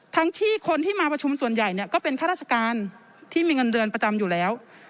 ทั้งที่คนที่มาประชุมส่วนใหญ่เนี่ยก็เป็นข้าราชการที่มีเงินเดือนประจำอยู่แล้ว